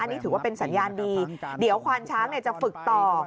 นี่ถือว่าเป็นสัญญาณดีเดี๋ยวควานช้างจะฝึกต่อ